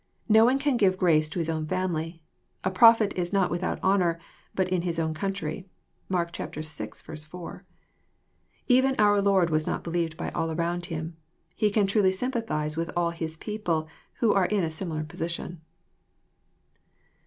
No one can give grace to his own family. *< A prophet is not without honour but in his own country." (Mark vi. 4.) Even our Lord was not believed by all around Him. He can truly sympathize with all His people who are in a similar position.